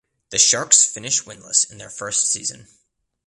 The Sharks finished winless in their first season.